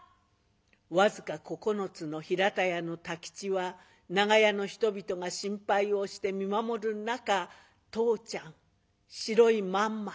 僅か９つの平田屋の太吉は長屋の人々が心配をして見守る中「父ちゃん白いまんま」。